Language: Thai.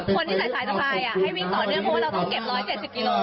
คนที่ใส่สายสะพายให้วิ่งต่อเนื่อง